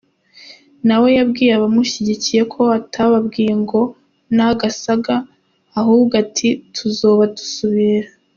Nawe yabwiye abamushigikiye ko atababwiye ngo 'n'agasaga' ahubwo ko ati 'tuzoba dusubira'.